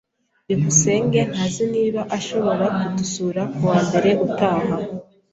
byukusenge ntazi niba azashobora kudusura kuwa mbere utaha.